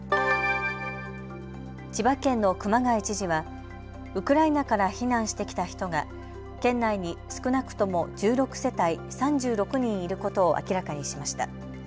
千葉県の熊谷知事はウクライナから避難してきた人が県内に少なくとも１６世帯３６人いることを明らかにしました。